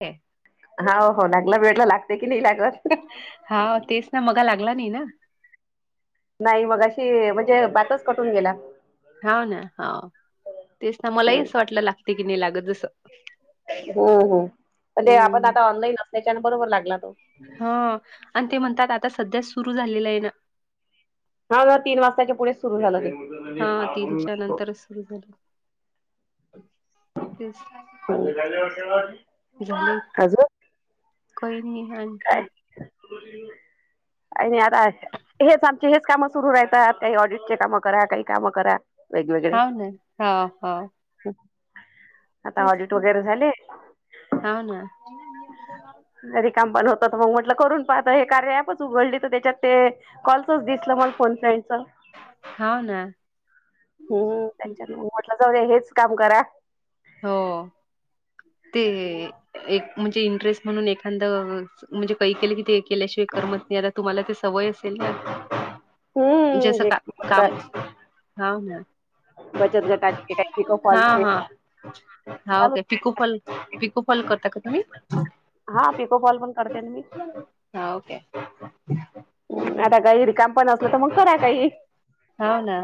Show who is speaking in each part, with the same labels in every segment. Speaker 1: ह [inaudible]
Speaker 2: हो, हो लागला वेळ लागते की नाही लागतं.
Speaker 1: हा तेच ना मगा लागला नाही ना.
Speaker 2: नाही मग अशी म्हणजे बातच कटून गेला.
Speaker 1: हा ना हा तेच ना मलाही
Speaker 2: हम्म
Speaker 1: असं वाटलं लागते की नाही लागत जस.
Speaker 2: हो, हो पण ते आपण आता ऑनलाईन असल्याच्या बरोबर लागला तो.
Speaker 1: हा आणि ते म्हणतात आता सध्या सुरू झालेलं आहे ना.
Speaker 2: हा ह तीन वाजताच्या पुढे सुरू झालं ते
Speaker 1: ब झार
Speaker 2: हज
Speaker 1: कोय नि हांखी
Speaker 2: अ नाही आताश. हेच आमचे हेच कामं सुरू राहत काही ऑडिटचे कामं करा काही कामं करा. वेगवेगळे
Speaker 1: हा ना हा हो..
Speaker 2: आता ऑडिट
Speaker 1: ना.
Speaker 2: वगैरे झाले.
Speaker 1: हाव ना,
Speaker 2: अ र काम पण होत तर मग म्हटलं करून पता हे कार्य ॲप उघडली तर त्याच्यात ते. कॉलचच दिसलं मला फोन फ्रेंड्स च
Speaker 1: हा ना
Speaker 2: हम्म
Speaker 1: हं.
Speaker 2: त्याच्यान म्हटलं जाऊ दे हेच काम करा
Speaker 1: हो ते एक म्हणजे इंटरेस्ट म्हणून एखादा म्हणज काही केले कि ते केल्याशिवा करत नाही आता तुम्हाला ते सवय
Speaker 2: हम्म
Speaker 1: जसं
Speaker 2: जे
Speaker 1: का
Speaker 2: करता
Speaker 1: काम हा ना
Speaker 2: बचत गट का पिकोफॉल
Speaker 1: हा का पिकू फल पिकू फल करता का तुम्ही
Speaker 2: हा पिकोफॉल पण करते मी
Speaker 1: हा ओके
Speaker 2: आता काही रिकम पण असलं तर मग करा काही
Speaker 1: होव ना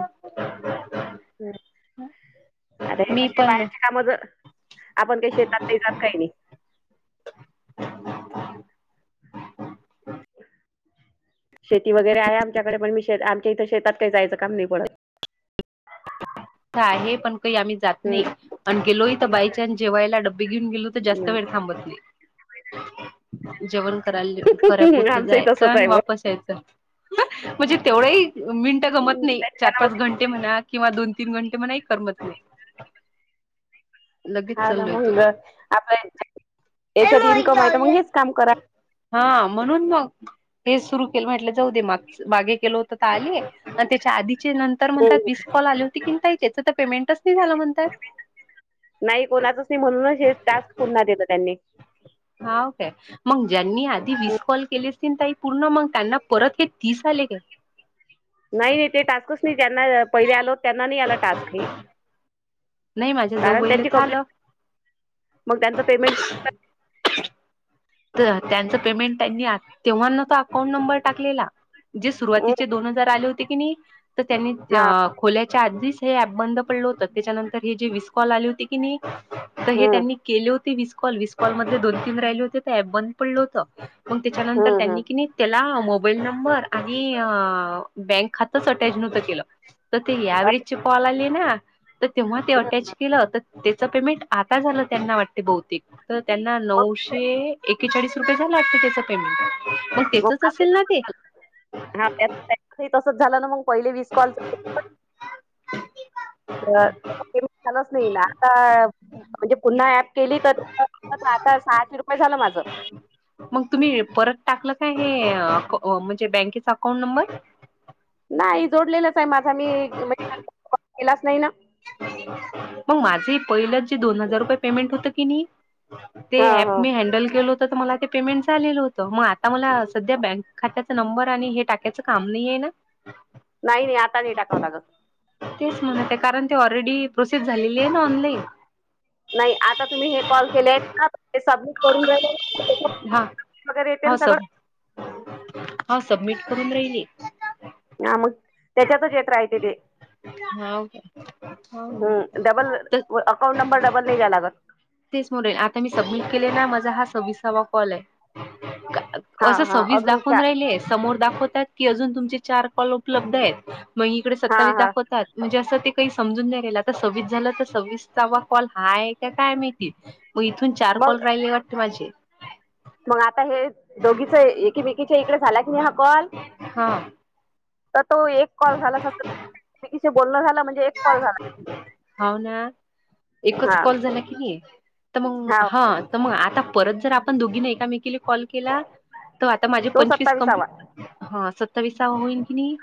Speaker 2: अरे
Speaker 1: मी
Speaker 2: कशी
Speaker 1: पण
Speaker 2: बाहेरची काम ज आपण काही शेतात नाही जात काही नाही. शेती वगैरे आहे आमच्याकडे पण मी श आमच्या इथं शेतात काही जायचं काम नाही पडत.
Speaker 1: आहे पण काही आम्ही जात
Speaker 2: हम्म
Speaker 1: नाही आणि गेलोय तर बाय चान्स जेवायला डब घेऊन गेलो तर जास्त वेळ
Speaker 2: नाही
Speaker 1: थांबत नाही. जेवण करायला करेपुरतं
Speaker 2: आमचंही
Speaker 1: जायचं
Speaker 2: तसंच
Speaker 1: आणि
Speaker 2: आहे मग
Speaker 1: वापस यायचं. म्हणजे तेवढंही मिनटं गमत नाही. चार
Speaker 2: त्याच्यान
Speaker 1: पाच
Speaker 2: मग
Speaker 1: घंटे म्हणा किंवा दोन तीन घंटे म्हणा मलाही करमत नाही. लगेच
Speaker 2: हा ना
Speaker 1: चाललोय
Speaker 2: म्हंटलं आता ह्यांच्या त्याच्यात इन्कम आहे तर
Speaker 1: तो.
Speaker 2: मग हेच काम करा.
Speaker 1: हा म्हणून मग, मेस सुरू केलं म्हटलं जाऊ दे माग मागे केलं होतं तर आली आणि त्याच्या आधीचे नंतर
Speaker 2: हम्म.
Speaker 1: म्हणतात कॉल आली होती की ताई त्याचं तर पेमेंटच नाही झालं म्हणतात
Speaker 2: नाही कोणाच नाही म्हणून हे टास्क पुन्हा देतात त्यांनी.
Speaker 1: हाव काय मग ज्यांनी आधी विस कॉल केले ताई पूर्ण मग त्यांना परत हे तीस आले काय?
Speaker 2: नाही नाही ते टास्कच नाही ज्यांना पहिले आलो त्यांना नाही आला टास्क हे.
Speaker 1: नाही माझ्या
Speaker 2: कारण
Speaker 1: जाऊबाईला
Speaker 2: त्यांची
Speaker 1: झालं
Speaker 2: कम्प्लीट-मग त्यांचं पेमेंट
Speaker 1: तर त्यांचं पेमेंट त्यांनी तेव्हाना तो अकाउंट नंबर टाकलेला. जे सुरुवातीचे दोन हजार आले होते की नाही. तर त्यांनी
Speaker 2: हा
Speaker 1: खोल्याच्या आधीच हे ऍप बंद पडल होत. त्याच्यानंतर हेे जे वीस कॉल आले होते की नाही तर हे
Speaker 2: हम्म
Speaker 1: त्यांनी केले होते वीस कॉल वीस कॉल मध्ये दोन तीन राहिले होते तर ऍप बंद पडलं होतं. मग त्याच्यानंतर
Speaker 2: हम्म
Speaker 1: त्यांनी कि
Speaker 2: हम्म
Speaker 1: नाही त्याला मोबाईल नंबर आणि बँक खातंच अटॅच नव्हतं केलं. तर ते या
Speaker 2: आणि
Speaker 1: वेळेचे कॉल आले ना तर तेव्हा ते अटॅच केलं तर त्याचं पेमेंट आता झालं त्यांना वाटते. बहुतेक तर त्यांना
Speaker 2: मग
Speaker 1: नऊशे एकेचाळीस रुपये झाला अस त्याच पेमेंट पण
Speaker 2: मग
Speaker 1: तेचच
Speaker 2: माझंही
Speaker 1: असेल ना ते.
Speaker 2: हा त्या त्यांचही तसच झालं ना मग पहिले विस कॉलच त्या पेमेंट झालाच नाही ना. आता म्हणजे पुन्हा ऍप केली तर आता सात आठ सहाशे रुपये झालं माझं.
Speaker 1: मग तुम्ही परत टाकलं काय हे म्हणजे बँकेचा अकाउंट नंबर?
Speaker 2: नाही जोडलेलाच आहे माझा मी म्हणजे माझा कॉल केलाच नाही ना.
Speaker 1: मग माझे पहिलंच जे दोन हजार रुपये पेमेंट होत की नाही. ते
Speaker 2: हा
Speaker 1: ऍप
Speaker 2: हा
Speaker 1: मी हँडल केल हो मला ते पेमेंट झालेलं होतं. मग आता मला सध्या बँक खात्याचा नंबर आणि हे टाकायचं काम नाही आहे ना.
Speaker 2: नाही नाही आता नाही टाकावं लागत.
Speaker 1: तेच म्हणत कारण ते ऑलरेडी प्रोसेस झालेली आहे ना ऑनलाईन.
Speaker 2: नाही आता तुम्ही हे कॉल केले आहेत ना तुमचे आजू
Speaker 1: हा
Speaker 2: वगैरे येते ना
Speaker 1: हा
Speaker 2: सगळं
Speaker 1: सब हा सबमिट करून राहिले.
Speaker 2: हा मग त्याच्यातच येत राहीत ते.
Speaker 1: हा हो
Speaker 2: हम्म डबल अकाउंट नंबर डबल नाही द्याव लागत.
Speaker 1: तेच बोले आता मी सबमिट केले ना. माझा हा सव्वीसावा कॉल आहे.
Speaker 2: हा
Speaker 1: असं
Speaker 2: हा
Speaker 1: सवीस
Speaker 2: अजून
Speaker 1: दाखवून
Speaker 2: चा
Speaker 1: राहिलेस. समोर दाखवतात की, अजून तुमचे चार कॉल उपलब्ध आहेत. मग इकडे
Speaker 2: हा
Speaker 1: सत्तावीस
Speaker 2: हा
Speaker 1: दाखवतात. म्हणजे असं ते काही समजून नाही राहिलं. आता सव्वीस झालं तर सव्वीसावा कॉल हाय का काय माहिती. मग इथून चार कॉल
Speaker 2: मग
Speaker 1: राहिले वाटते माझे.
Speaker 2: मग आता हे दोघीच एकीमेकीच्या इकडे झाला की नाही हा कॉल.
Speaker 1: हा
Speaker 2: तर तो एक कॉल झाला स बोलण झाला म्हणजे एक कॉल झाला.
Speaker 1: होव ना एकच
Speaker 2: हा
Speaker 1: कॉल झाला की नाही? तर मग हा तर मग आता परत जर आपण दोघीनी एककामेकीला कॉल केला तर आता माझे
Speaker 2: तो
Speaker 1: पंचवीस कंप
Speaker 2: सत्तावीसावा
Speaker 1: ह सत्तावीस होईल की नाही.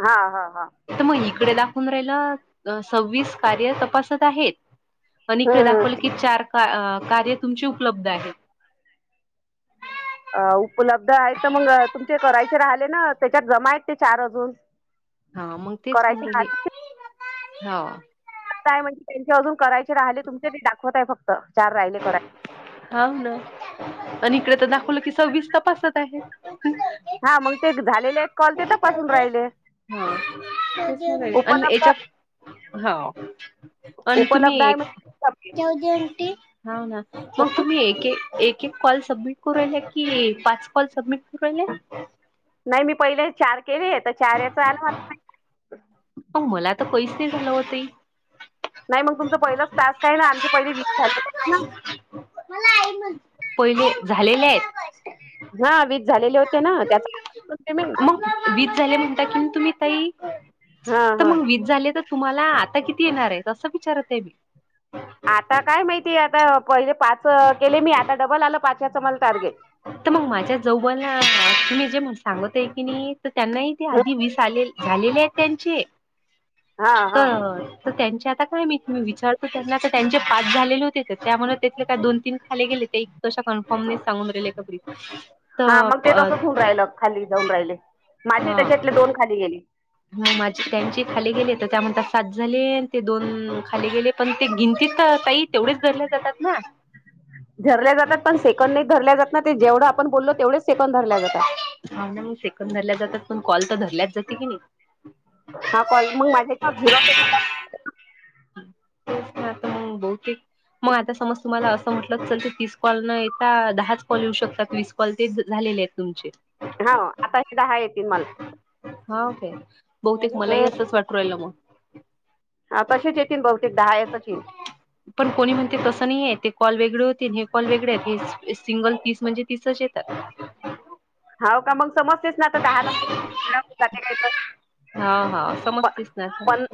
Speaker 2: हा हा हा.
Speaker 1: तर मग इकडे दाखवून राहिलं सव्वीस कार्य तपासत आहेत. आणि
Speaker 2: हम्म
Speaker 1: इकडे
Speaker 2: हम्म
Speaker 1: दाखवलं की चार का -कार्य तुमची उपलब्ध आहेत.
Speaker 2: अ उपलब्ध आहेत तर मग तुमचे करायचे राहिले ना त्याच्यात जमा आहेत ते चार अजून.
Speaker 1: हा मग तेच
Speaker 2: करायचे
Speaker 1: म्हणलं हे
Speaker 2: राहिले
Speaker 1: हो.
Speaker 2: काय म्हणजे त्यांचे अजून करायचे राहिले तुमचे ते दाखवत आहे फक्त चार राहिले करायचे.
Speaker 1: हा ना आणि इकडे तर दाखवलं की सव्वीस तपासात आहे.
Speaker 2: हा मग ते झालेले एक कॉल तेथपासून राहिले.
Speaker 1: हा
Speaker 2: उपलब्ध
Speaker 1: याच्या. हा आणि तुम्ही
Speaker 2: उपलब्ध आहे
Speaker 1: एक
Speaker 2: म्हणजे
Speaker 1: ह ना मग
Speaker 2: हं?
Speaker 1: तुम्ही एक एक कॉल सबमिट करू राहिले की, पाच पाच कॉल सबमिट करू राहिले‌.
Speaker 2: नाही मी पहिले चार केले आहे तर चार याचा आलाता.
Speaker 1: मग मला तर पैस झालं होत ताई.
Speaker 2: नाही मग तुमचं पहिलंच तास काय ना आमचे पहिले वीज झाले.
Speaker 1: पहिले झालेले आहेत.
Speaker 2: हा वीस झालेले होते ना त्याचा आलं मग पेमेंट.
Speaker 1: मग वीज झाले म्हणता की तुम्ही ताई
Speaker 2: हा
Speaker 1: तर
Speaker 2: हा
Speaker 1: मग वीज झाले तुम्हाला आता किती येणार आहे असं विचारत आहे मी.
Speaker 2: आता काय माहितीय आता पहिले पाच केले मी आता डबल आलं पाच या्याचं मला टार्गेट.
Speaker 1: तर मग माझ्या जवुबानां तुम्ही जे म्हण सांगत आहे की, नाही तर त्यांनाही ते आधी वीस आले झालेली आहेत त्यांचे
Speaker 2: हा
Speaker 1: अ
Speaker 2: हा
Speaker 1: तर त्यांचे आता काय माहित मी विचारतो त्यांना तर त्यांचे पाच झाले होते. तर त्यामुळे तेथले काय दोन तीन खाले गेले ते तशा कन्फर्मने सांगून राहिले क बरी
Speaker 2: हा मग ते
Speaker 1: तर
Speaker 2: तसंच होऊन राहिलं खाली जाऊन राहिले माझे त्याच्यातले दोन खाली गेले.
Speaker 1: ह माझी त्यांचे खाली गेले तर त्या म्हणतात सात झाले ते दोन खाली गेले पण ते गिंती काही तेवढेच धरल्याले जातात ना.
Speaker 2: धरल्या जातात पण सेकंड नाही धरल्या जात ना ते जेवढं आपण बोललो तेवढेच सेकंड धरल्या जातात.
Speaker 1: हा नाही सेकंद धरल्या जातात पण कॉल तर धरल्याच जाते की नाही.
Speaker 2: हा कॉल मग माझ्या झिरो
Speaker 1: तेच आता मग बहतेक मग आता समज तुम्हाला अस म्हटलं च ते तीस कॉल न येता दहाच कॉल येऊ शकतातस. पलती झालेले आहेत तुमचे.
Speaker 2: हा आता हे दहा येतील मला
Speaker 1: हाव काय बहुतेक मलाही
Speaker 2: हम्म
Speaker 1: असंच वाटरू रायल मग.
Speaker 2: हा कसे येतीलन बहुतेक दहा येत असेल.
Speaker 1: पण कोणी म्हणते तसं नाही आहे ते कॉल वेगळे होते हे कॉल वेगळे आहेत सिंगल तीस म्हणजे तीसच येतात.
Speaker 2: हावना का मग समजतेस ना आता दहा नंबर जाते का.
Speaker 1: हा हा
Speaker 2: प
Speaker 1: समजतेस ना आता
Speaker 2: पं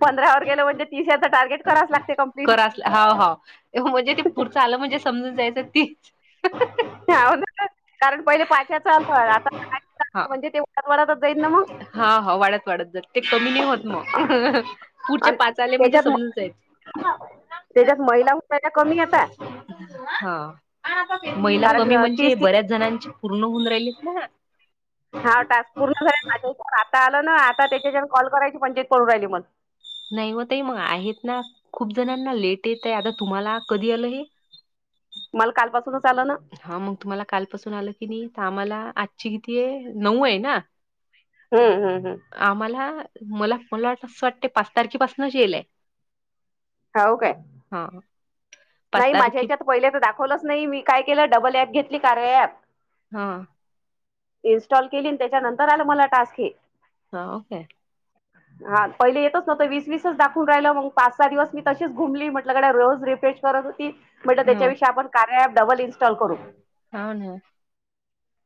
Speaker 2: -पंधरा व गेल म्हणजे तिसऱ्या टार्गेट कराच लागते कम्प्
Speaker 1: करायचं हा हाव म्हणजे ते पुढचं आलं म्हणजे समजून जायचं तीच
Speaker 2: कारण पहिले पाच्या चालूय आता
Speaker 1: हा
Speaker 2: म्हणजे ते वरात वात
Speaker 1: हा हा वाढत वाढत जात ते कमी नाही होत मग पुढच्या
Speaker 2: आणि
Speaker 1: पाच आले म्हणजे
Speaker 2: त्याच्यात म-
Speaker 1: समजून जायचे
Speaker 2: त्याच्यात महिला पच्या कमी येत
Speaker 1: हा महिला
Speaker 2: कारण
Speaker 1: कमी
Speaker 2: अं,
Speaker 1: म्हणजे
Speaker 2: तीस ती
Speaker 1: बऱ्याच जणांची पूर्ण होऊन राहिले ना
Speaker 2: हा टास्क पूर्ण झा माझ्यावर आता आलं ना आता त्याच्या कॉल करायची पंचायत पून राहिली मग
Speaker 1: नाही मग तई मग आहेत ना खूप जणांना लेट येत आहे आता तुम्हाला कधी आलं हे
Speaker 2: मला कालपासूनच आलं ना
Speaker 1: हा मग तुम्हाला कालपासून आलं की नाही तर आम्हाला आजची किती आहे नऊ आहे ना
Speaker 2: हम्म हम्म हम्
Speaker 1: आम्हाला मला मला वाट असं वाटते पाच तारखेपासूनच येईलय
Speaker 2: ह काय
Speaker 1: पाच
Speaker 2: नाही माझ्या
Speaker 1: तारखे
Speaker 2: याच्या पहिले तर दाखवलंच नाही मी काय केलं डबल ऍप घेतली कार ऍप
Speaker 1: हा
Speaker 2: इन्स्टॉल केली त्याच्यानंतर आलं मला टास्क हे
Speaker 1: हा ओके
Speaker 2: हा पहिले येतच नवत वीस वीसच दाखवून राहिलं मग पाच सहा दिवस मी तशीच घुमली म्हटलं कडे रोज रिफ्रेश करत होती म्हटलं
Speaker 1: हो
Speaker 2: त्याच्याविषयी आपण कार्य डबल इ् इॉ करू
Speaker 1: काण ह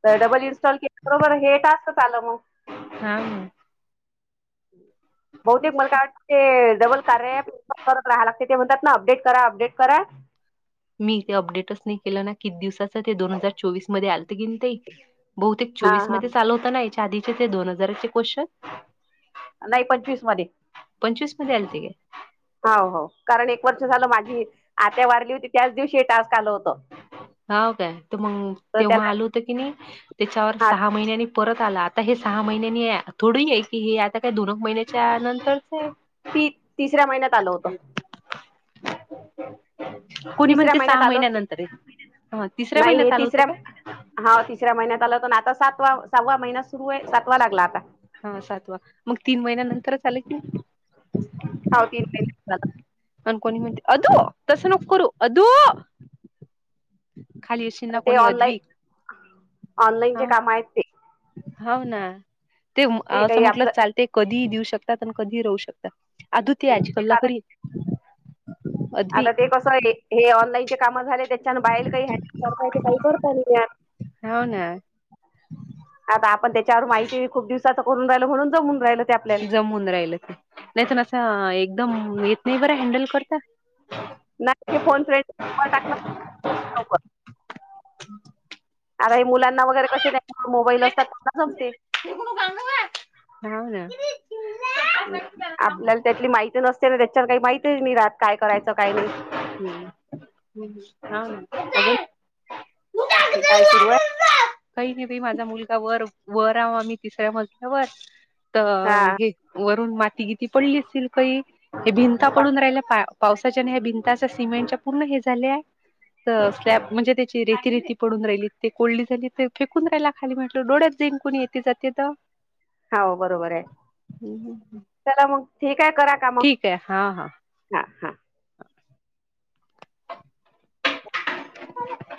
Speaker 2: तर डबल इनस्टॉल के बरोबर हे ट असत आलं मग
Speaker 1: हा हम
Speaker 2: बहुतेक मला काय वाटते डबल कार्य आहे करत राहाय लागते ते म्हणतात ना अपडेट करा अपडेट करा
Speaker 1: मी ते अपडेटच नाही केलं ना किती दिवसां ते दोन हजार चोवीस मध्ये आलत की बहुतेक
Speaker 2: हा
Speaker 1: चोवीस
Speaker 2: हा
Speaker 1: मध्ये चालवत ना याच्या आधीचे ते दोन हजाराचे क्शन
Speaker 2: नाही पंचवीस मध्ये
Speaker 1: पंचवीस मध्ये आल त गे
Speaker 2: हो हो कारण एक वर्ष झालं माझी आत्या वारली होती त्याच दिवशी हे टास्क आलं होतं
Speaker 1: हा काय त मग
Speaker 2: तर
Speaker 1: तेव्हा
Speaker 2: त्याला
Speaker 1: आल होतं की नाही त्याच्यावर
Speaker 2: हा
Speaker 1: सहा महिन्यांनी परत आला आता हे सहा महिन्यांनी थोड आहे की हे आता काही दोन महिन्याच्या नंतरच
Speaker 2: ती तिसऱ्या महिन्यात आल होतं
Speaker 1: कोणी
Speaker 2: तिसऱ्या
Speaker 1: म्हणते
Speaker 2: महिन्यात
Speaker 1: सहा
Speaker 2: आल हो
Speaker 1: महिन्यानंतर आहे हा तिसऱ्या
Speaker 2: नाही हे
Speaker 1: महिन्यात आलं होतं
Speaker 2: तिसऱ्या
Speaker 1: काय
Speaker 2: हा तिसऱ्या महिन्यात आलं तर आता सातवा सव्वा महिना सुरू आहे जातवा लागला आता
Speaker 1: हा सातवा मग तीन महिन्या नंतर चाले की
Speaker 2: साऊथ इंडिया
Speaker 1: अनको ह मते अदो तस नो करर अदो खाली येशील ना
Speaker 2: ते
Speaker 1: कोणी अद्विक
Speaker 2: ऑनलाईन ऑनलाईन जे काम आहेत ते
Speaker 1: होा ना ते असं
Speaker 2: काही
Speaker 1: म्हटलं
Speaker 2: आपलं
Speaker 1: चालते कधीही देऊ शकतात आणि कधी राहू शकत अधु ते आज कल्ला खरी
Speaker 2: आता ते कसं आहे हे ऑनलाईनचे काम झाले त्या ान बाईल काही हडल करताय ते काही करता नाही
Speaker 1: हाव ना
Speaker 2: आता आपण त्याच्यावर माहिती खूप दिवसाच करून राहिल म्हणून जमून राहिल ते आपल्याला
Speaker 1: जमून नाही अस एकदम येत नाही बर हडल करत
Speaker 2: नाही फोने टाकणार अर हे मुलांना वगैरे कसे नाही मोबाईल असतात त्यांना जमते
Speaker 1: हे ग न ना
Speaker 2: आपल्याला त्यातली माहिती नसते ना त्याच्या काही माहती नाही राहत काय करायचं काय नाही
Speaker 1: ह हा
Speaker 2: अजून काय सुरुवात
Speaker 1: काही नाही बा माझा मुलगा वर वर आवा मी तिसऱ्या मजल्यावर
Speaker 2: हा
Speaker 1: तर हे वरून मातीगीती पडली असेल काही हे भिंता पडून राहिला पा पावसाच्या आणि्या भिंताच्या सिमेंटच्या पूर्ण हे झाले आहे स्लॅब म्हणजे त्याची रेती रेती पडून राहिली ते कोल्डी झाली ते फेकून राहियला खाली म्हटलं डोळ्या जिंक कोणी येत जाते तर
Speaker 2: ह होा बरोबर आहे चला मग ठीक आहे करा का मग
Speaker 1: ठीक आहे हा हा
Speaker 2: हा हा
Speaker 1: ह